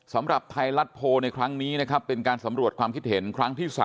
สำหรับไทยรัฐโพลในครั้งนี้นะครับเป็นการสำรวจความคิดเห็นครั้งที่๓